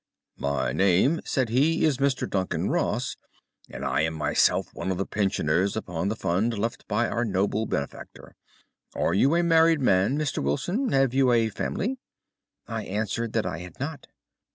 "'My name,' said he, 'is Mr. Duncan Ross, and I am myself one of the pensioners upon the fund left by our noble benefactor. Are you a married man, Mr. Wilson? Have you a family?' "I answered that I had not.